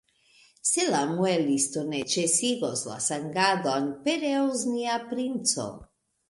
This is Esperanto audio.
Se la muelisto ne ĉesigos la sangadon, pereos nia princo!